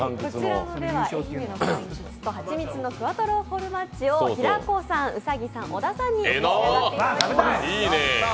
こちらの愛媛の柑橘とハチミツのクワトロフォルマッジを平子さん、兎さん、小田さんに召し上がっていただきます。